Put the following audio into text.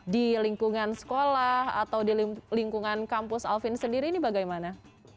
di lingkungan sekolah atau di lingkungan kampus alvin sendiri ini bagaimana